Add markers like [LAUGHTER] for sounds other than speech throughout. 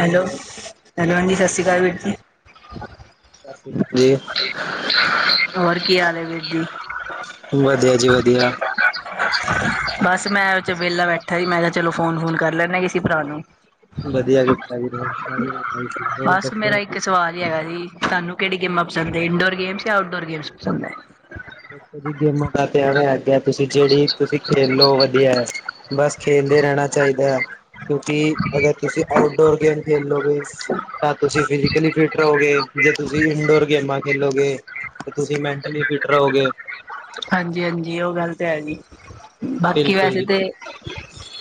Hello ਹਾਂਜੀ ਸਤਿ ਸ਼੍ਰੀ ਅਕਾਲ ਵੀਰ ਜੀ। ਸਤਿ ਸ਼੍ਰੀ ਅਕਾਲ ਜੀ। ਹੋਰ ਕੀ ਹਾਲ ਹੈ ਵੀਰ ਜੀ? ਵਧੀਆ ਜੀ ਵਧੀਆ ਬਸ ਮੈਂ ਅੱਜ ਵੇਲਾ ਬੈਠਾ ਹੀ ਮੈਂ ਕਿਆ ਚਲੋ ਫੋਨ ਫੁਨ ਕਰ ਲੈਦਾ ਕਿਸੀ ਭਰਾ ਨੂੰ। ਵਧੀਆ ਕੀਤਾ ਜੀ ਹੋਰ ਬਸ ਮੇਰਾ ਦੱਸੋ ਇੱਕ ਸਵਾਲ ਈ ਹੈਗਾ ਜੀ ਤਾਨੂੰ ਕੇੜੀ ਗੇਮਾ ਪਸੰਦ ਏ ਇੰਡੋਰ ਗੇਮਸ ਜਾਂ ਆਊਟਡੋਰ ਗੇਮਸ ਪਸੰਦ ਐ। ਦੇਖੋ ਜੀ ਗੇਮਾਂ ਦਾ ਤੇ ਐਵੇਂ ਆ ਗਿਆ ਤੁਸੀਂ ਜੇੜੀ ਤੁਸੀਂ ਖੇਲ ਲੋ ਵਧੀਆ ਐ ਬਸ ਖੇਲਦੇ ਰੈਣਾ ਚਾਈਦਾ ਐ ਕਿਉਂਕਿ ਅਗਰ ਤੁਸੀਂ ਆਊਟਡੋਰ ਗੇਮ ਖੇਲੋਗੇ ਤਾਂ ਤੁਸੀਂ ਫਿਜ਼ਕਲੀ ਫਿਟ ਰਓਗੇ ਜੇ ਤੁਸੀਂ ਇਨਡੋਰ ਗੇਮਾਂ ਖੇਲੋਗੇ ਤੇ ਤੁਸੀਂ ਮੈਂਟਲੀ ਫਿਟ ਰਓਗੇ। ਹਾਂਜੀ, ਹਾਂਜੀ ਓ ਗੱਲ ਤੇ ਈ ਬਾਕੀ ਬਿਲਕੁਲ ਵੈਸੇ ਜੀ ਤੇ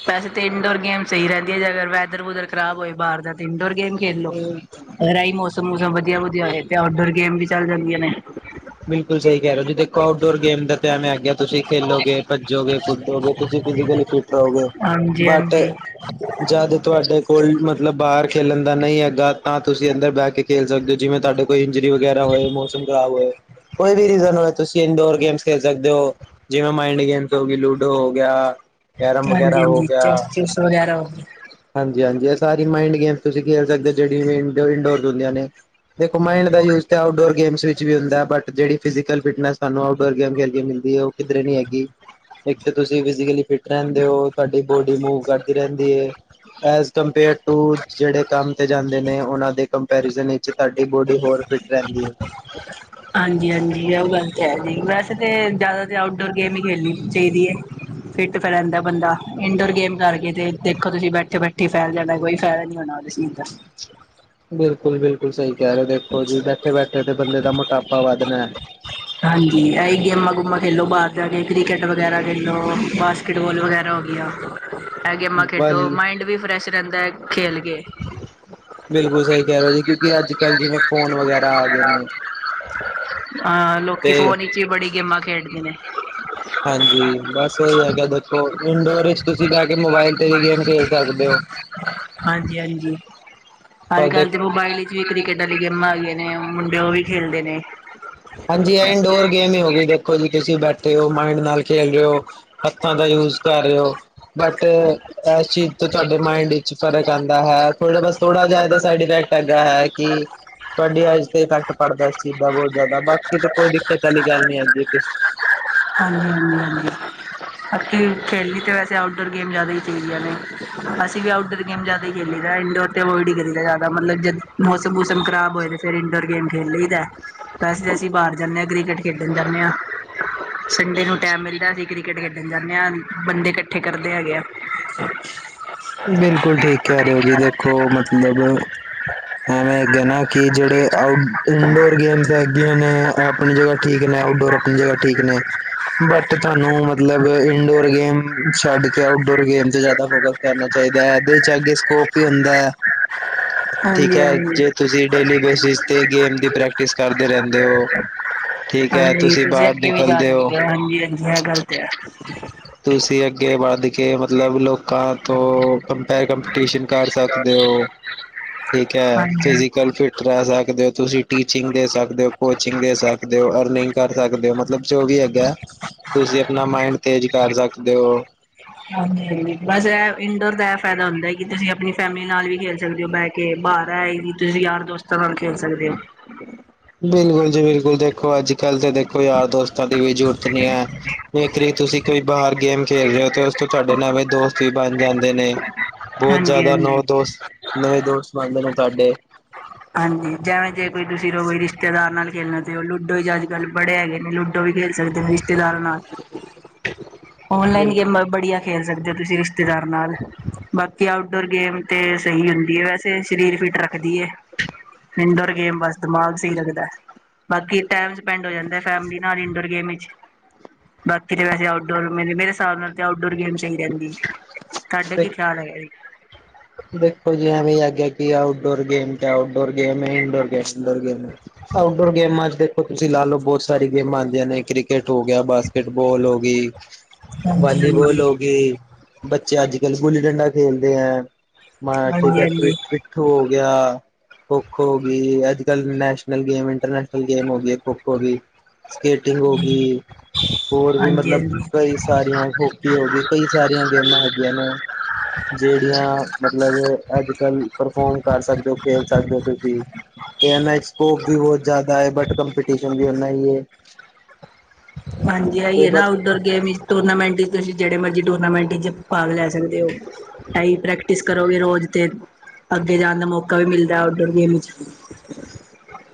ਵੈਸੇ ਤੇ ਇੰਨਡੋਰ ਗੇਮ ਸਈ ਰੈਂਦੀ ਏ ਜੇ ਅਗਰ ਵੈਦਰ ਵੂਦਰ ਖਰਾਬ ਹੋਏ ਬਾਰ ਦਾ ਤੇ ਇੰਡੋਰ ਗੇਮ ਖੇਲ ਲੋ ਔਰ ਏ ਈ ਮੌਸਮ ਮੂਸਮ ਵਧੀਆ ਵਧੀਆ ਹੋਏ ਤੇ ਆਊਟਡੋਰ ਗੇਮ ਵੀ ਚੱਲ ਜਾਂਦੀਆਂ ਨੇ। ਬਿਲਕੁਲ ਸਈ ਕੈ ਰੇ ਓ ਜੀ ਦੇਖੋ ਆਊਟਡੋਰ ਗੇਮ ਦਾ ਤੇ ਐਂਵੇਂ ਹੇਗਾ ਤੁਸੀ ਖੇਲੋਗੇ, ਭੱਜੋਗੇ ਫਿਟ ਰਓਗੇ ਤੁਸੀ ਫਿਜ਼ਕਲੀ ਫਿਟ ਰਓਗੇ ਹਾਂਜੀ, ਬਟ ਹਾਂਜੀ, ਜਦ ਤੁਹਾਡੇ ਕੋਲ ਮਤਲਬ ਬਾਹਰ ਖੇਲਣ ਦਾ ਨਈ ਹੈਗਾ ਤਾਂ ਤੁਸੀਂ ਅੰਦਰ ਬਹਿ ਕੇ ਖੇਲ ਸਕਦੇ ਓ ਜਿਵੇਂ ਤਾਡੇ ਕੋਈ ਇੰਜਰੀ ਵਗੈਰਾ ਹੋਏ ਮੌਸਮ ਖਰਾਬ ਹੋਏ। ਕੋਈ ਵੀ ਰੀਜ਼ਨ ਹੋਵੇ ਤੁਸੀਂ ਇਨਡੋਰ ਗੇਮਸ ਖੇਲ ਸਕਦੇ ਓ। ਜਿਵੇਂ ਮਾਈੰਡ ਗੇਮਸ ਹੋ ਗੀ ਲੂਡੋ ਹੋ ਗਿਆ। ਕੈਰਮ ਹਾਂਜੀ, ਵਗੈਰਾ ਹਾਂਜੀ ਚੈਸ ਚੈਸ ਵਗੈਰਾ ਹੋਗੀ। ਹਾਂਜੀ, ਹਾਂਜੀ ਐ ਸਾਰੀ ਮਾਇੰਡ ਗੇਮ ਤੁਸੀਂ ਖੇਲ ਸਕਦੇ ਓ ਜਿੜੀ ਇੰਡੋਰ ਹੁੰਦੀਆਂ ਨੇ। ਦੇਖੋ ਮਾਈੰਡ ਗਈ। ਦਾ ਯੂਜ ਤੇ ਆਊਟਡੋਰ ਗੇਮਸ ਵਿੱਚ ਵੀ ਹੁੰਦਾ ਬਟ ਜੇੜੀ ਫਿਜੀਕਲ ਫਿਟਨੈਸ ਤਾਨੂੰ ਆਊਟਡੋਰ ਗੇਮ ਖੇਲ ਕੇ ਮਿਲਦੀ ਐ ਓ ਕਿੱਧਰੇ ਨੀ ਹੈਗੀ। ਇੱਕ ਤੇ ਤੁਸੀ ਫਿਜੀਕਲ ਫਿਟ ਰੈਂਦੇ ਓ ਤਾਡੀ ਬੋਡੀ ਮੂਵ ਕਰਦੀ ਰੈਂਦੀ ਏ। ਐਜ਼ ਕੰਪੇਅਰ ਟੂ ਜੇੜੇ ਕੰਮ ਤੇ ਜਾਂਦੇ ਨੇ ਉਨਾਂ ਦੇ ਕੰਪੈਰੀਜ਼ਨ ਇਚ ਤਾਡੀ ਬੋਡੀ ਹੋਰ ਫਿਟ ਰੈਂਦੀ ਏ। ਹਾਂਜੀ, ਹਾਂਜੀ ਓ ਗੱਲ ਤੇ ਹੈ ਜੀ, ਵੈਸੇ ਤੇ ਜ਼ਿਆਦਾ ਤੇ ਆਊਟਡੋਰ ਗੇਮ ਈ ਖੇਲਣੀ ਚਾਈਦੀ ਏ। ਫਿੱਟ ਤੇ ਰੈਂਦਾ ਏ ਬੰਦਾ, ਇੰਨਡੋਰ ਗੇਮ ਕਰਕੇ ਤੇ ਦੇਖੋ ਤੁਸੀਂ ਬੈਠੇ ਬੈਠੇ ਫੈਲ ਜਾਣਾ ਕੋਈ ਫੈਦਾ ਨੀ ਹੋਣਾ। ਕੁਛ ਨੀ ਹੁੰਦਾ! ਬਿਲਕੁਲ- ਬਿਲਕੁਲ ਸਈ ਕੈ ਰੇ ਓ ਦੇਖੋ ਜੀ ਬੈਠੇ- ਬੈਠੇ ਤੇ ਬੰਦੇ ਦਾ ਮੋਟਾਪਾ ਵੱਧਣਾ ਐ। ਹਾਂਜੀ! ਏ ਇ ਏ ਗੇਮਾਂ- ਗੇਮਾ ਖੇਲੋ ਬਾਰ ਜਾ ਕੇ ਕ੍ਰਿਕਟ ਵਗੈਰਾ ਖੇਲੋ ਬਸ ਕਿਟਬੋਲ ਵਗੈਰਾ ਹੋ ਗੀਆਂ ਐ ਗੇਮਾਂ ਖੇਡੋ, ਬਲ ਮਾਇੰਡ ਵੀ ਫਰੈਸ਼ ਰੈਂਦਾ ਏ ਖੇਲ ਕੇ। [INAUDIBLE] ਬਿਲਕੁਲ ਸਹੀ ਕਹਿ ਰਹੇ ਹੋ ਜੀ ਕਿਉਂਕਿ ਅੱਜ-ਕੱਲ੍ਹ ਜਿਵੇਂ ਫੋਨ ਵਗੈਰਾ ਆ ਗਏ ਨੇ ਅ ਲੋਕੀ ਤੇ ਫੋਨ ਇਚ ਈ ਬੜੀ ਗੇਮਾਂ ਖੇਡਦੇ ਨੇ। ਹਾਂਜੀ! ਬਸ ਉਈ ਹੈਗਾ ਦੇਖੋ ਇੰਡੋਰ ਵਿੱਚ ਤੁਸੀਂ ਬੈ ਕੇ ਮੋਬਾਇਲ ਤੇ ਵੀ ਗੇਮ ਖੇਲ ਸਕਦੇ ਓ। ਹਾਂਜੀ- ਹਾਂਜੀ! ਅੱਜ- ਪਰ ਦੇ ਕੱਲ੍ਹ ਤੇ ਮੋਬਾਇਲ ਵਿੱਚ ਵੀ ਕ੍ਰਿਕਟ ਵਾਲੀਆਂ ਗੇਮਾਂ ਆਗੀਆਂ ਨੇ ਮੁੰਡੇ ਓਈ ਖੇਲਦੇ ਨੇ। ਹਾਂਜੀ! ਐ ਇੰਡੋਰ ਗੇਮ ਈ ਹੋ ਗਈ, ਦੇਖੋ ਜੀ ਤੁਸੀਂ ਬੈਠੇ ਓ ਮਾਇੰਡ ਨਾਲ ਖੇਲ ਰੇ ਓ ਹੱਥਾਂ ਦਾ ਯੂਜ ਕਰ ਰੇ ਓ। ਬਟ ਐਸ ਚੀਜ਼ ਤੋਂ ਤੁਆਡੇ ਮਾਇੰਡ ਇਚ ਫਰਕ ਆਂਦਾ ਹੈ ਥੋੜਾ ਬਸ ਥੋੜਾ ਜਿਆ ਏਦਾ ਸਾਈਡ ਇਫੈਕਟ ਏਦਾ ਹੈ ਕਿ ਤੁਆਡੀ ਆਈਜ ਤੇ ਇਫੈਕਟ ਪੜਦਾ ਐ ਇਸ ਚੀਜ਼ ਦਾ ਬੌਤ ਜ਼ਿਆਦਾ ਬਾਕੀ ਬਾਕੀ ਤਾਂ ਕੋਈ ਦਿੱਕਤ ਆਲੀ ਗੱਲ ਨੀ ਆਂਦੀ ਏਦੇ ਚ। ਹਾਂਜੀ ਹਾਂਜੀ ਹਾਂਜੀ ਬਾਕੀ ਖੇਲਣੀ ਤਾ ਵੈਸੇ ਆਊਟਡੋਰ ਗੇਮ ਜ਼ਿਆਦਾ ਈ ਚਾਈਦੀਆਂ ਨੇ ਅਸੀਂ ਵੀ ਆਊਟਡੋਰ ਗੇਮ ਜ਼ਿਆਦਾ ਈ ਖੇਲੀ ਦਾ ਏ ਇੰਡੋਰ ਤੇ ਅਵਾਇਡ ਈ ਕਰੀ ਦਾ ਜ਼ਿਆਦਾ ਮਤਲਬ ਜਦ ਮੌਸਮ ਮੂਸਮ ਖਰਾਬ ਹੋਏ ਤਾਂ ਫਿਰ ਇੰਡੋਰ ਗੇਮ ਖੇਲੀ ਲਈਦੈ ਵੈਸੇ ਤੇ ਅਸੀਂ ਬਾਹਰ ਜਾਨੇ ਆਂ ਕ੍ਰਿਕਟ ਖੇਡਣ ਜਾਂਨੇ ਆਂ ਸੰਡੇ ਨੂੰ ਟਾਈਮ ਮਿਲਦਾ, ਅਸੀਂ ਕ੍ਰਿਕਟ ਖੇਡਣ ਜਾਨੇ ਆਂ ਬੰਦੇ ਕੱ ਕੱਠੇ ਕਰਦੇ ਹੈਗੇ ਐ। ਬਿਲਕੁਲ ਠੀਕ ਕੈ ਰਹੇ ਓ ਜੀ ਦੇਖੋ ਮਤਲਬ ਐਵੇਂ ਹੈਗੇ ਨਾ ਕਿ ਜੇੜੇ ਆਊਟ ਇਨਡੋਰ ਗੇਮਸ ਹੈਗੀਆਂ ਨੇ ਐ ਅਪਣੀ ਜਗ੍ਹਾ ਠੀਕ ਨੇ, ਆਊਟਡੋਰ ਅਪਣੀ ਜਗ੍ਹਾ ਠੀਕ ਨੇ। ਬਟ ਤਾਨੂੰ ਮਤਲਬ ਇੰਨਡੋਰ ਗੇਮ ਛੱਡ ਕੇ ਆਊਟਡੋਰ ਗੇਮ ਤੇ ਜਾਦਾ ਫੋਕਸ ਕਰਨਾ ਚਾਇਦਾ ਐ ਐਦੇ ਵਿੱਚ ਅੱਗੇ ਸਕੋਪ ਵੀ ਹੁੰਦਾ। ਠੀਕ ਹਾਂਜੀ ਐ, ਹਾਂਜੀ ਜੇ ਤੁਸੀਂ ਡੇਲੀ ਬੇਸਿਸ ਤੇ ਗੇਮ ਦੀ ਪ੍ਰਕੈ ਟਿਸ ਕਰਦੇ ਰੈੰਦੇ ਓ ਠੀਕ ਐ ਤੁਸੀਂ ਬਾਹਰ ਨਿਕਂਲਦੇ ਓ। ਹਾਂਜੀ-ਹਾਂਜੀ। ਐ ਗਲ ਤੇ ਐ। ਤੁਸੀਂ ਅੱਗੇ ਵੱਧ ਕੇ, ਮਤਲਬ ਲੋਕਾਂ ਤੋਂ ਕੰਪੇਅਰ ਕੰਪੀਟੀਸ਼ਨ ਕਰ ਸਕ ਦੇਓ ਠੀਕ ਐ, ਹਾਂਜੀ ਫਿਜ਼ੀਕਲ ਫਿਟ ਰੈ ਸਕਦੇ ਓ ਤੁਸੀਂ ਟੀਚਿੰਗ ਦੇ ਸਕਦੇ ਓ, ਕੋਚਿੰਗ ਦੇ ਸਕਦੇ ਓ, ਅਰਨਿੰਗ ਕਰ ਸਕਦੇ ਓ ਮਤਲਬ ਜੋ ਵੀ ਹੈਗਾ, ਤੁਸੀਂ ਅਪਣਾ ਮਾਇੰਡ ਤੇਜ਼ ਕਰ ਸਕਦੇ ਓ। ਹਾਂਜੀ ਬਸ ਐ ਇਨਡੋਰ ਦਾ ਫਾਇਦਾ ਹੁੰਦਾ ਐ ਕਿ ਤੁਸੀਂ ਅਪਣੀ ਫੈਮਿਲੀ ਨਾਲ ਵੀ ਖੇਲ ਸਕਦੇ ਓ ਬੈ ਕੇ, ਬਾਰ ਐ ਕਿ ਤੁਸੀਂ ਯਾਰ ਦੋਸਤ ਤਾ ਨਾਲ ਖੇਲ ਸਕਦੇ ਓ। ਬਿਲਕੁਲ ਜੀ-ਬਿਲਕੁਲ ਦੇਖੋ ਅੱਜ-ਕੱਲ ਤੇ ਦੇਖੋ ਯਾਰ-ਦੋਸਤਾਂ ਦੀ ਵੀ ਜੂਰਤ ਨੀ ਐ। ਜੇਕਰੀ ਤੁਸੀਂ ਕੋਈ ਬਾਹਰ ਗੇਮ ਖੇਲ ਰੇ ਓ ਓਸ ਤੋਂ ਤਾਡੇ ਨਵੇਂ ਦੋਸਤ ਵੀ ਬਣ ਜਾਂਦੇ ਨੇ। ਬੋਹਤ ਹਾਂਜੀ ਜ਼ਿਆਦਾ ਹਾਂਜੀ ਨੌ ਦੋਸਤ, ਨਵੇਂ ਦੋਸਤ ਬਨਦੇ ਨੇ ਤਾਡੇ। ਹਾਂਜੀ ਜੈਵੇਂ ਜੇ ਕੋਈ ਤੁਸੀਂ ਰੋਈ ਰਿਸ਼ਤੇਦਾਰ ਨਾਲ ਖੇਲਣਾ ਤੇ ਹੋ ਲੂਡੋ ਚ ਅੱਜ-ਕੱਲ ਬੜੇ ਹੈਗੇ ਨੇ ਲੂਡੋ ਵੀ ਖੇਲ ਸਕਦੇ ਨੇ ਰਿਸ਼ਤੇਦਾਰਾਂ ਨਾਲ ਔਨਲਾਈਨ ਗੇਮਾਂ ਵੀ ਬੜੀਆਂ ਖੇਲ ਸਕਦੇ ਓ ਤੁਸੀਂ ਰਿਸ਼ਤੇਦਾਰ ਨਾਲ ਬਾਕੀ ਆਊਟਡੋਰ ਗੇਮ ਤੇ ਸਈ ਹੁੰਦੀ ਏ, ਵੈਸੇ ਸ਼ਰੀਰ ਫਿਟ ਰੱਖਦੀ ਏ ਇੰਡੋਰ ਗੇਮ ਤੇ ਬਸ ਦਿਮਾਗ ਸਈ ਰੱਖਦਾ ਬਾਕੀ ਟੈਮ ਸਪੈਂਡ ਹੋ ਜਾਂਦਾ ਫੈਮਿਲੀ ਨਾਲ ਇੰਡੋਰ ਗੇਮ ਇਚ ਬਾਕੀ ਤੇ ਵੈਸੇ ਆਊਟਡੋਰ ਮ ਮੇਰੇ ਹਿਸਾਬ ਨਾਲ ਤੇ ਆਊਟਡੋਰ ਗੇਮ ਚੰਗੀ ਰੈੰਦੀ, ਤਾਡਾ ਕੀ ਬਿਲਕੁਲ ਖਿਆਲ ਹੈਗਾ ਜੀ? ਦੇਖੋ ਜਿ ਵੀ ਐਵੇਂ ਹੀ ਹੈਗਾ ਕਿ ਆਊਟਡੋਰ ਗੇਮ ਤੇ ਆਊਟਡੋਰ ਗੇਮ ਏ-ਇੰਨਡੋਰ ਗੇਮ ਏ। ਆਊਟ ਡੋਰ ਗੇਮਾ ਚ ਤੇ ਤੁਸੀਂ ਲਾ ਲੋ ਬੋਹਤ ਸਾਰੀ ਗੇਮਾਂ ਆਂਦੀਆਂ ਨੇ ਕ੍ਰਿਕੇਟ ਹੋ ਗਯਾ ਬਾਸਕੇਟ-ਬਾੱਲ ਹੋ ਗੀ। ਹਾਂਜੀ ਵਾਲੀਬੋਲ ਹਾਂਜੀ ਹੋ ਗਈ ਬੱਚੇ ਅੱਜ-ਕਲ ਗੁੱਲੀ ਡੰਡਾ ਖੇਲਦੇ ਐ। ਮਾਰਾ ਠੀਕ ਹਾਂਜੀ ਐ ਹਾਂਜੀ ਪਿ-ਪਿੱਠੂ ਹੋ ਗਯਾ। ਖੋ-ਖੋ ਹੋਗੀ ਅੱਜ-ਕਲ ਨੈਸ਼ਨਲ ਗੇਮ ਇੰਟਰਨੈਸ਼ਨਲ ਗੇਮ ਹੋਗੀ ਏ ਖੋ-ਖੋ ਵੀ। ਸਕੇਟਿੰਗ ਹੋਗੀ। ਹੋਰ ਵੀ ਹਾਂਜੀ ਮਤਲਬ ਹਾਂਜੀ ਕਈ ਸਾਰੀਆਂ ਹੋਕੀ ਹੋਗੀ ਕਈ ਸਾਰੀਆਂ ਗੇਮਾਂ ਹੈਗੀਐਂ ਨੇ ਜੇੜੀਆਂ ਮਤਲਬ ਅੱਜ-ਕੱਲ ਪਰਫੋਰਮ ਕਰ ਸਕਦੇ ਓ ਖੇਲ ਸਕਦੇ ਓ ਤੁਸੀਂ। ਏਨਾ ਚ ਸਕੋਪ ਵੀ ਬੋਹਤ ਜਾਦਾ ਏ ਬਟ ਕੰਪੀਟੀਸ਼ਨ ਵੀ ਉਨ੍ਹਾਂ ਈ ਏ। ਹਾਂਜੀ ਐਈ ਏ ਨਾ ਆਊਟਡੋਰ ਗੇਮ ਚ ਟੂਰਨਾਮੈਂਟ ਤੁਸੀਂ ਜੇੜੇ ਮਰਜੀ ਟੂਰਨਾਮੈਂਟ ਚ ਪਾਗ ਲੈ ਸਕਦੇ ਓ ਐਈ ਟ੍ਰੈ ਪ੍ਰੈਕਟਿਸ ਕਰੋਗੇ ਰੋਜ਼ ਤੇ ਅੱਗੇ ਜਾਣ ਦਾ ਮੌਕਾ ਵੀ ਮਿਲਦਾ ਆਊਟਡੋਰ ਗੇਮ ਇੱਚ-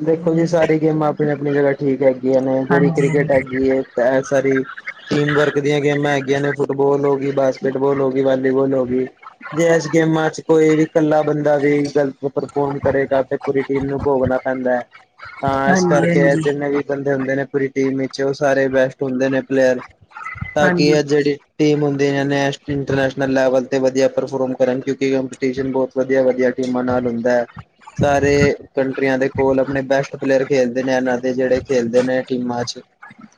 ਦੇਖੋ ਜੀ ਸਾਰੀ ਗੇਮਾਂ ਅਪਣੀ-ਅਪਣੀ ਜਗ੍ਹਾ ਠੀਕ ਹੈਗੀਆਂ ਨੇ ਜੇੜੀ ਹਾਂਜੀ-ਹਾਂਜੀ, ਕ੍ਰਿਕੇਟ ਹੈਗੀ ਏ ਤੇ ਐ ਸਾਰੀ ਟੀਮ ਵਰਕ ਦੀਆਂ ਗੇਮਾਂ ਹੈਗੀਆਂ ਨੇ ਫੁੱਟਬਾਲ ਹੋਗੀ, ਬਾਸਕੇਟਬਾਲ ਹੋਗੀ, ਵਾਲੀਬਾਲ ਹੋਗੀ। ਜੇ ਐਸ ਗੇਮਾਂ ਚ ਕੋਈ ਵੀ ਕੱਲਾ ਬੰਦਾ ਵੀ ਗਲਤ ਪਰਫੋਰਮ ਕਰੇਗਾ ਤੇ ਪੂਰੀ ਟੀਮ ਨੂੰ ਪੋਗਨਾ ਪੈਂਦਾ। ਹਾਂ ਇਸ ਕਰਕੇ ਹਾਂਜੀ-ਹਾਂਜੀ, ਜਿੰਨੇ ਵੀ ਬੰਦੇ ਹੁੰਦੇ ਨੇ। ਪੂਰੀ ਟੀਮ ਵਿਚ ਉਹ ਸਾਰੇ ਬੈਸਟ ਹੁੰਦੇ ਨੇ ਪਲੇਅਰ। ਤਾਂ ਕਿ ਹਾਂਜੀ, ਇਹ ਜਿਹੜੀ ਟੀਮ ਹੁੰਦਿਆਂ ਨੇ ਇੰਟਰਨੈਸ਼ਨਲ ਲੈਵਲ ਤੇ ਵਧੀਆ ਪਰਫੋਰਮ ਕਰਨ ਕਿਉਂਕਿ ਕੰਪਿਟਸ਼ਨ ਬੁਹਤ। ਵਧੀਆ- ਵਧੀਆ ਟੀਮਾਂ ਨਾਲ ਹੁੰਦਾ ਹੈ। ਸਾਰੇ ਕੰਟਰੀਆਂ ਦੇ ਕੋਲ ਆਪਣੇ ਬੈਸਟ ਪਲੇਅਰ ਖੇਡਦੇ ਨੇ ਇਹਨਾਂ ਦੇ ਜਿਹੜੇ ਖੇਲਦੇ ਨੇ ਟੀਮਾਂ ਚ'।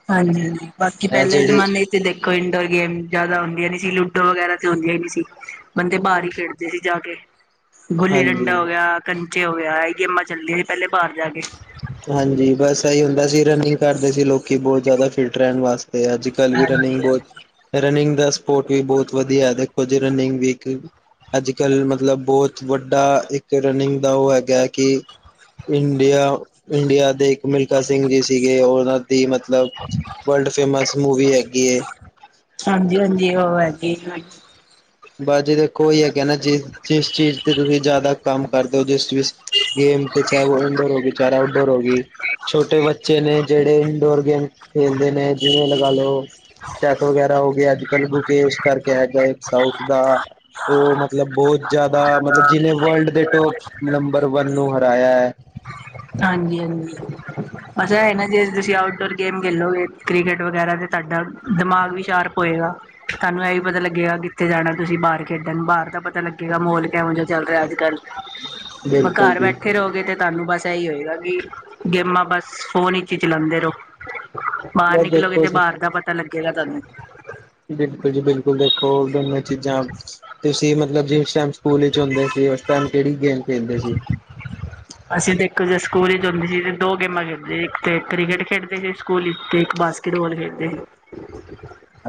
ਹਾਂਜੀ- ਹਾਂਜੀ। ਬਾਕੀ ਇਹ ਪਹਿਲੇ ਜਿਹੜੀ ਜਮਾਨੇ ਤੇ ਦੇਖੋ ਇੰਡੋਰ ਗੇਮ ਜ਼ਿਆਦਾ ਹੁੰਦਿਆਂ ਨੀ ਸੀ। ਲੁੱਡੋ ਵਗੈਰਾ ਤੇ ਹੁੰਦੀਆਂ ਹੀ ਨੀ ਸੀ। ਬੰਦੇ ਬਾਹਰ ਹੀ ਖੇਡਦੇ ਸੀ ਜਾਕੇ। ਗੁੱਲੀ ਡੰਡਾ ਹੋ ਹਾਂਜੀ-ਹਾਂਜੀ ਗਿਆ, ਕੰਚੇ ਹੋ ਗਿਆ, ਇਹ ਗੇਮਾਂ ਚੱਲਦੀ ਸੀ ਪਹਿਲੇ ਬਾਹਰ ਜਾ ਕੇ। ਹਾਂਜੀ। ਬਸ ਇਹੀ ਹੁੰਦਾ ਸੀ ਰਨਿੰਗ ਕਰਦੇ ਸੀ ਲੋਕੀ ਬਹੁਤ ਜ਼ਿਆਦਾ ਫਿਟ ਰਹਿਣ ਵਾਸਤੇ। ਤੇ ਅੱਜ ਕਲ ਵੀ ਰਨਿੰਗ ਹਾਂਜੀ-ਹਾਂਜੀ, ਬਹੁਤ, ਰਨਿੰਗ ਦਾ ਸਪੋਰਟ ਵੀ ਬਹੁਤ। ਵਧੀਆ। ਦੇਖੋ ਜੀ ਰਨਿੰਗ ਵੀ ਇਕ ਅੱਜ ਕੱਲ੍ਹ ਮਤਲਬ ਬਹੁਤ ਵੱਡਾ ਇੱਕ ਰਨਿੰਗ ਦਾ ਉਹ ਹੈਗਾ ਹੈ। ਕਿ ਇੰਡੀਆ- ਇੰਡੀਆ ਦੇ ਇੱਕ ਮਿਲਖਾ ਸਿੰਘ ਜੀ ਸੀਗੇ ਉਹਨਾਂ ਦੀ ਮਤਲਬ ਵਰਲਡ ਫੇਮਸ ਮੂਵੀ ਹੈਗੀ ਏ। ਹਾਂਜੀ- ਹਾਂਜੀ ਉਹ ਹੈਗੀ। ਬਾ ਜੀ ਦੇਖੋ ਉਹੀ ਹੈਗੈ ਨਾ ਜਿਸ- ਜਿਸ ਚੀਜ਼ ਤੇ ਤੁਸੀਂ ਜ਼ਿਆਦਾ ਕੰਮ ਕਰਦੇ ਹੋ ਜਿਸ ਵਿੱਚ ਗੇਮ ਤੇ ਚਾਹੇ ਉਹ ਇੰਡੋਰ ਹੋ ਗਈ। ਚਾਹੇ ਆਊਟਡੋਰ ਹੋ ਗਈ। ਛੋਟੇ ਬੱਚੇ ਨੇ ਜਿਹੜੇ ਇੰਡੋਰ ਗੇਮ ਖੇਲਦੇ ਨੇ ਜਿਵੇਂ ਲਗਾ ਲਓ ਚੈਸ ਵਗੈਰਾ ਹੋ ਗੇ ਅੱਜ ਕੱਲ੍ਹ ਮੁਕੇਸ਼ ਕਰਕੇ ਹੈਗਾ ਇੱਕ ਸਾਊਥ ਦਾ। ਉਹ ਮਤਲਬ ਬਹੁਤ ਜਿਆਦਾ ਮਤਲਬ ਜਿਹਨੇ ਵਰਲਡ ਦੇ ਟੋਪ ਨੰਬਰ ਵਨ ਨੂੰ ਹਰਾਇਆ ਹੈ। ਹਾਂਜੀ- ਹਾਂਜੀ। ਅੱਛਾ ਹੈ ਨਾ ਜੇ ਤੁਸੀਂ ਆਊਟਡੋਰ ਗੇਮ ਖੇਲੋਗੇ ਕ੍ਰਿਕਟ ਵਗੈਰਾ ਤੇ ਤੁਹਾਡਾ ਦਿਮਾਗ ਵੀ ਸ਼ਾਰਪ ਹੋਏਗਾ। ਤੁਹਾਨੂੰ ਇਹ ਵੀ ਪਤਾ ਲੱਗੇਗਾ ਕਿੱਥੇ ਜਾਣਾ ਤੁਸੀਂ ਬਾਹਰ ਖੇਡਣ ਬਾਹਰ ਦਾ ਪਤਾ ਲੱਗੇਗਾ। ਮੋਲ ਕਿਹੋ ਜਿਹਾ ਚੱਲ ਰਿਹਾ ਅੱਜ ਕੱਲ। ਬਿਲਕੁਲ ਘਰ ਜੀ ਬੈਠੇ ਰਹੋਗੇ ਤੇ ਤੁਹਾਨੂੰ ਬਸ ਇਹੀ ਹੋਏਗਾ ਕਿ, ਗੇਮਾਂ ਬਸ ਫੋਨ ਵਿਚ ਹੀ ਚਲਾਉਂਦੇ ਰਹੋ। ਬਾਹਰ ਬਸ ਨਿਕਲੋਗੇ ਦੇਖੋ ਤੇ ਜੀ ਬਾਹਰ ਦਾ ਪਤਾ ਲੱਗੇਗਾ ਤੁਹਾਨੂੰ। ਬਿਲਕੁਲ ਜੀ, ਬਿਲਕੁਲ ਦੇਖੋ ਦੋਵੇਂ ਚੀਜ਼ਾਂ ਤੁਸੀਂ ਮਤਲਬ ਜਿਸ ਟਾਈਮ ਸਕੂਲ ਵਿੱਚ ਹੁੰਦੇ ਸੀ ਉਸ ਟਾਈਮ ਕਿਹੜੀ ਗੇਮ ਖੇਲਦੇ ਸੀ। ਅਸੀਂ ਤੇ ਇੱਕ ਜੇ ਸਕੂਲ ਹੀ ਹੁੰਦੇ ਸੀ ਦੋ ਗੇਮਾਂ ਖੇਡਦੇ ਸੀ ਇੱਕ ਤੇ ਕ੍ਰਿਕਟ ਖੇਡਦੇ ਸੀ ਸਕੂਲ ਵਿੱਚ ਤੇ ਬਾਸਕਿਟਬਾਲ ਖੇਡਦੇ ਸੀ।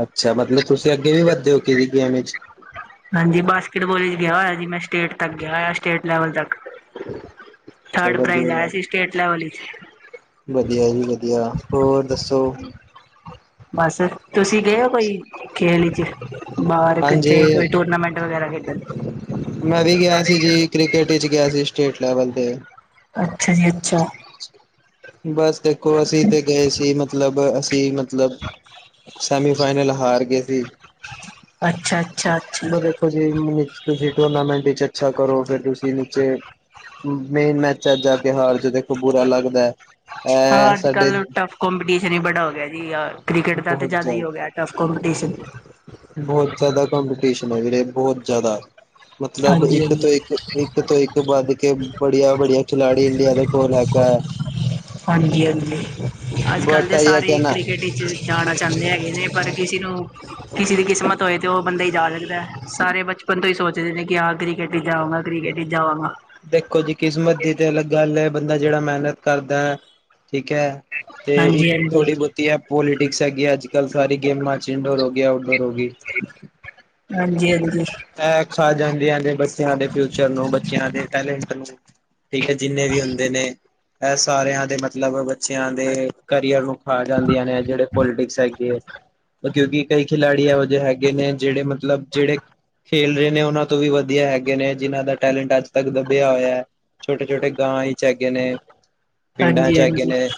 ਅੱਛਾ। ਮਤਲਬ ਤੁਸੀਂ ਅੱਗੇ ਵੀ ਵੱਧਦੇ ਹੋ ਕਿਸੇ ਗੇਮ ਵਿੱਚ। ਹਾਂਜੀ, ਬਾਸਕਿਟਬਾਲ ਵਿੱਚ ਗਿਆ ਹੋਇਆ ਜੀ ਮੈਂ ਸਟੇਟ ਤੱਕ ਗਿਆ ਹੋਇਆ ਸਟੇਟ ਲੈਵਲ ਤੱਕ। ਅੱਛਾ ਥਰਡ ਪ੍ਰਾਈਜ਼ ਆਇਆ ਵਧੀਆ- ਸੀ ਸਟੇਟ ਲੈਵਲ ਵਿੱਚ ਵਧੀਆ ਜੀ ਵਧੀਆ ਹੋਰ ਦੱਸੋ। ਬਸ। ਤੁਸੀਂ ਗਏ ਉ ਕੋਈ ਖੇਲ ਚ' ਬਾਹਰ ਹਾਂਜੀ ਕਿੱਥੇ ਕੋਈ ਟੂਰਨਾਮੈਂਟ ਵਗੈਰਾ ਖੇਡਣ? ਮੈਂ ਵੀ ਗਿਆ ਸੀ ਜੀ ਕ੍ਰਿਕਟ ਵਿਚ ਗਿਆ ਸੀ ਸਟੇਟ ਲੈਵਲ ਤੇ। ਅੱਛਾ ਜੀ ਅੱਛਾ। ਬਸ ਦੇਖੋਂ ਅਸੀਂ ਤੇ ਗਏ ਸੀ ਮਤਲਬ ਅਸੀਂ ਮਤਲਬ ਸੈਮੀ ਫਾਈਨਲ ਹਾਰ ਗਏ ਸੀ। ਅੱਛਾ ਅੱਛਾ ਅੱਛਾ ਦੇਖੋ ਚ' ਤੁਸੀਂ ਟੂਰਨਾਮੈਂਟ ਵਿੱਚ ਅੱਛਾ ਕਰੋ, ਫੇਰ ਤੁਸੀਂ ਨੀਚੇ ਮੇਨ ਮੈਂ ਮੈਚ ਜਾ ਕੇ ਹਾਰ ਜੇ ਦੇਖੋ ਬੁਰਾ ਲੱਗਦਾ ਐ। ਹਾਂ, ਅੱਜ ਸਾਡੇ ਕੱਲ ਟੱਫ ਕੋਪੀਟੀਸ਼ਨ ਹੀ ਬੜਾ ਹੋ ਗਿਆ ਜੀ, ਕ੍ਰਿਕਟ ਦਾ ਤਾਂ ਜ਼ਿਆਦਾ ਹੀ ਹੋ ਗਿਆ, ਟਫ ਕੰਪਟਿਸ਼ਨ। ਬਹੁਤ ਜ਼ਿਆਦਾ ਕੰਪੀਟੀਸ਼ਨ ਐ ਵੀਰੇ ਬਹੁਤ ਜ਼ਿਆਦਾ। ਮਤਲਬ ਹਾਂਜੀ ਇੱਕ ਹਾਂਜੀ ਤੋਂ ਇੱਕ ਇੱਕ ਤੋਂ ਇੱਕ ਵੱਧ ਕੇ ਬੜੀਆਂ -ਬੜੀਆ ਖਿੜੀ ਇੰਡੀਆ ਦੇ ਕੋਲ ਹੈਗਾ ਐ। ਹਾਂਜੀ -ਹਾਂਜੀ, ਅੱਜ ਕੱਲ੍ਹ ਬਟ ਤਾਂ ਆਈ ਹੈ ਸਾਰੇ ਕਿ ਨਾ ਕ੍ਰਿਕਟ ਚ ਜਾਣਾ ਚਾਹੁੰਦੇ ਹੈਗੇ ਨੇ, ਪਰ ਕਿਸੇ ਨੂੰ ਕਿਸੇ ਦੀ ਕਿਸਮਤ ਹੋਏ ਤਾਂ ਉਹ ਬੰਦਾ ਹੀ ਜਾ ਸਕਦਾ। ਸਾਰੇ ਬਚਪਨ ਤੋਂ ਹੀ ਸੋਚਦੇ ਨੇ, ਕਿ ਆਹ ਕ੍ਰਿਕਟ ਹੀ ਚ ਜਾਵਾਂਗਾ, ਕ੍ਰਿਕਟ ਹੀ ਜਾਵਾਂਗਾ। ਦੇਖੋਂ ਜੀ ਕਿਸਮਤ ਦੀ ਤੇ ਅਲੱਗ ਗੱਲ ਐ, ਬੰਦਾ ਜਿਹੜਾ ਮੇਹਨਤ ਕਰਦਾ ਐ ਠੀਕ ਐ। ਤੇ ਹਾਂਜੀ ਜੀ ਥੋੜ੍ਹੀ ਹਾਂਜੀ ਬਹੁਤੀ ਐ, ਪੋਲੀਟਿਕਸ ਹੈਗੀ ਆ, ਅਜ- ਕੱਲ੍ਹ ਸਾਰੀ ਗੇਮਾਂ ਚ, ਇਨਡੋਰ ਹੋ ਗਈ, ਆਊਟਡੋਰ ਹੋ ਗਈ। [INAUDIBLE] ਹਾਂਜੀ ਹਾਂਜੀ। ਐਖ ਆ ਜਾਂਦੀਆਂ ਨੇ, ਬੱਚਿਆਂ ਦੇ ਫਿਊਚਰ ਨੂੰ, ਬੱਚਿਆਂ ਦੇ ਟੈਲੈਂਟ ਨੂੰ। ਠੀਕ ਐ ਜਿੰਨੇ ਵੀ ਹੁੰਦੇ ਨੇ, ਇਹ ਸਾਰਿਆਂ ਦੇ ਮਤਲਬ ਬੱ ਚਿਆਂ ਦੇ ਕਰੀਅਰ ਨੂੰ ਖਾ ਜਾਂਦੀਆਂ ਨੇ, ਜਿਹੜੇ ਪੋਲੀਟਿਕਸ ਹੈਗੀ ਐਂ। ਕਿਉਂਕਿ ਕਈ ਖਿਲਾੜੀ ਇਹੋ ਜਿਹੇ ਹੈਗੇ ਨੇ, ਜਿਹੜੇ ਮਤਲਬ ਜਿਹੜੇ ਖੇਲ ਰਹੇ ਨੇ, ਉਹਨਾਂ ਤੋਂ ਵੀ ਵਧੀਆ ਹੈਗੇ ਨੇ, ਜਿਨਾਂ ਦਾ ਟੈਲੈਂਟ ਅੱਜ ਤੱਕ ਦੱਬਿਆ ਹੋਇਆ ਐ, ਛੋਟੇ -ਛੋਟੇ ਗਾਂਵ ਹੀ ਚ ਹੈਗੇ ਨੇ। ਪਿੰਡਾਂ 'ਚ ਐਗੇ ਹਾਂਜੀ-ਹਾਂਜੀ, ਨੇ,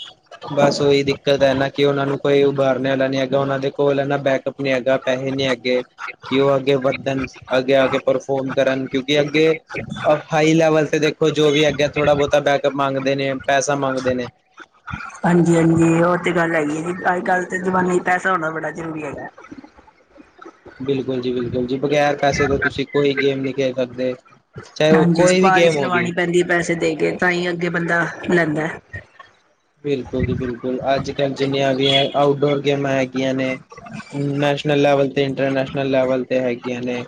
ਬਸ ਉਹੀ ਦਿੱਕਤ ਐ ਨਾ ਕਿ ਓਹਨਾ ਨੂੰ ਕੋਈ ਉਭਾਰਨ ਵਾਲਾ ਨੀ ਹੈਗਾ, ਉਹਨਾਂ ਦੇ ਕੋਲ ਹਨਾ ਬੈਕਅਪ ਨੀ ਹੈਗਾ, ਪੈਸੇ ਨੀ ਹੈਗੇ। ਕਿ ਉਹ ਅੱਗੇ ਵੱਧਨ, ਅੱਗੇ ਆ ਕੇ ਪਰਫੋਰਮ ਕਰਨ, ਕਿਉਂਕਿ ਅੱਗੇ ਔਰ ਹਾਈ ਲੈਵਲ ਤੇ ਦੇਖੋਂ, ਜੋ ਵੀ ਅੱਗੇ ਥੋੜਾ ਬੋਤਾ ਬੈਕਅਪ ਮੰਗਦੇ ਨੇ, ਪੈਸਾ ਮੰਗਦੇ ਨੇ। ਹਾਂਜੀ -ਹਾਂਜੀ, ਹੋਰ ਤੇ ਗੱਲ ਹੈਗੀ ਐ ਜੀ, ਅੱਜ ਕੱਲ੍ਹ ਤੇ ਜ਼ਮਾਨੇ 'ਚ ਪੈਸਾ ਹੋਣਾ ਬੜਾ ਜ਼ਰੂਰੀ ਹੈਗਾ। ਬਿਲਕੁਲ ਜੀ -ਬਿਲਕੁਲ ਜੀ, ਬਗੈਰ ਪੈਸੇ ਤੋਂ ਤੁਸੀਂ ਕੋਈ ਗੇਮ ਨੀ ਖੇਲ ਸਕਦੇ। ਚਾਹੇ ਉਹ ਹਾਂਜੀ, ਕੋਈ ਵੀ ਗੇਮ ਸੁਪਾਰੀਸ਼ ਹੋ ਗਈ ਲਵਾਣੀ ਪੈਂਦੀ ਐ ਪੈਸੇ ਦੇ ਕੇ, ਤਾਂ ਹੀ ਅੱਗੇ ਬੰਦਾ ਲੈਂਦਾ। ਬਿਲਕੁਲ ਜੀ ਬਿਲਕੁਲ, ਅੱਜ ਕੱਲ ਜਿੰਨੀਆਂ ਵੀ ਆਊਟਡੋਰ ਗੇਮਾਂ ਹੈਗੀਆਂ ਨੇ। ਨੈਸ਼ਨਲ ਲੈਵਲ ਤੇ ਇੰਟਰਨੈਸ਼ਨਲ ਲੈਵਲ ਤੇ ਹੈਗੀਆਂ ਨੇ।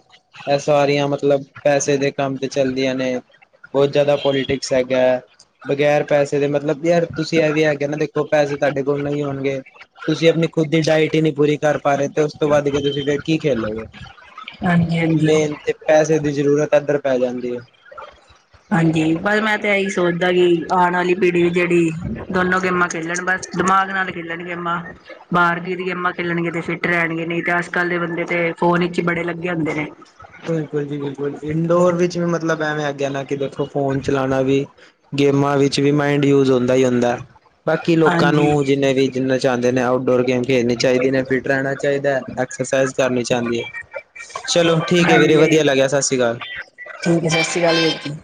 ਇਹ ਸਾਰੀਆਂ ਮਤਲਬ ਪੈਸੇ ਦੇ ਕੰਮ ਤੇ ਚੱਲਦੀਆਂ ਨੇ। ਬਹੁਤ ਜ਼ਿਆਦਾ ਪੋਲੀਟਿਕਸ ਹੈਗਾ ਆ, ਬਗੈਰ ਪੈਸੇ ਦੇ ਮਤਲਬ ਯਾਰ ਤੁਸੀਂ ਇਹ ਵੀ ਹੈਗੇ ਨਾ ਦੇਖੋਂ, ਪੈਸੇ ਤੁਹਾਡੇ ਕੋਲ ਨਈ ਹੋਣਗੇ। ਤੁਸੀਂ ਆਪਣੀ ਖੁਦ ਦੀ ਡਾਇਟ ਹੀ- ਨੀ ਪੂਰੀ ਕਰ ਪਾ ਰਹੇ, ਤੇ ਉਸ ਤੋਂ ਬਾਅਦ ਤੁਸੀਂ ਫਿਰ ਕੀ ਖੇਲੋਗੇ। ਹਾਂਜੀ-ਹਾਂਜੀ, ਮੇਨ ਤੇ ਪੈਸੇ ਦੀ ਜ਼ਰੂਰਤ ਏਧਰ ਪੈ ਜਾਂਦੀ ਐ। ਹਾਂਜੀ, ਪਰ ਮੈਂ ਤੇ ਏਹੀ ਸੋਚਦਾ ਕਿ, ਆਣ ਵਾਲੀ ਪੀੜ੍ਹੀ ਵੀ ਜੇਹੜੀ ਦੋਨੋ ਗੇਮਾਂ ਖੇਲਣ, ਬਸ ਦਿਮਾਗ ਨਾਲ ਖੇਲਣ ਗੇਮਾਂ, ਬਾਹਰ ਜ ਦੀ ਗੇਮਾਂ ਖੇਲਣਗੇ ਤੇ ਫਿੱਟ ਰਹਿਣਗੇ, ਨਈ ਤੇ ਅੱਜ -ਕੱਲ ਦੇ ਬੰਦੇ ਤੇ ਫੋਨ ਵਿਚ ਹੀ ਬੜੇ ਲੱਗੇ ਹੁੰਦੇ ਨੇ। ਬਿਲਕੁਲ ਜੀ ਬਿਲਕੁਲ, ਇੰਡੋਰ ਵਿੱਚ ਵੀ ਮਤਲਬ ਐਵੇਂ ਆਗੇਆ ਆਨਾ ਕਿ ਦੇਖੋ ਫੋਨ ਚਲਾਨਾ ਵੀ ਗੇਮਾਂ ਵਿੱਚ ਵੀ ਮਾਇੰਡ ਯੂਜ ਹੁੰਦਾ ਈ ਹੁੰਦਾ। ਬਾਕੀ ਲੋਕਾਂ ਨੂੰ ਹਾਂਜੀ, ਜਿੰਨੇ ਵੀ ਜਿੰਨਾ ਚਾਹੁੰਦੇ ਨੇ, ਆਊਟਡੋਰ ਗੇਮ ਖੇਡਣੀ ਚਾਹੀਦੀ ਨੇ, ਫਿਟ ਰਹਿਣਾ ਚਾਹੀਦਾ ਐ। ਐਕਸਰਸਾਈਜ਼ ਕਰਨੀ ਚਾਹੁੰਦੀ, ਚਲੋਂ ਠੀਕ ਐ ਵੀਰੇ ਹਾਂਜੀ ਵਧੀਆ ਲੱਗਿਆ, ਸਤਿ ਸ਼੍ਰੀ ਅਕਾਲ‌। ਠੀਕ ਐ, ਸਤਿ ਸ੍ਰੀ ਅਕਾਲ ਵੀਰ ਜੀ।